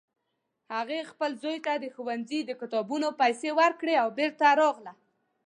هغې خپل زوی ته د ښوونځي د کتابونو پیسې ورکړې او بیرته راغله